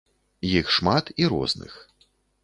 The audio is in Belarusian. Іх шмат і розных.